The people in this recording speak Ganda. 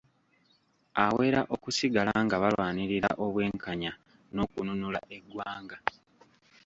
Awera okusigala nga balwanirira obwenkanya n’okununula eggwanga.